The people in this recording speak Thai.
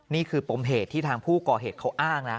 ปมเหตุที่ทางผู้ก่อเหตุเขาอ้างนะ